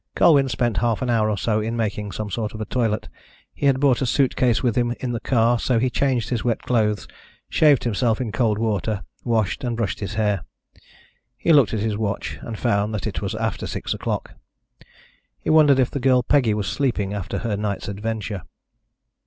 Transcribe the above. Colwyn spent half an hour or so in making some sort of a toilet. He had brought a suit case with him in the car, so he changed his wet clothes, shaved himself in cold water, washed, and brushed his hair. He looked at his watch, and found that it was after six o'clock. He wondered if the girl Peggy was sleeping after her night's adventure.